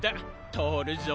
とおるぞ。